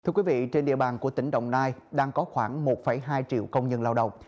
thưa quý vị trên địa bàn của tỉnh đồng nai đang có khoảng một hai triệu công nhân lao động